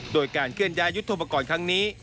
โดยการเคลื่อนย้ายยุทธโปรกรณ์ครั้งนี้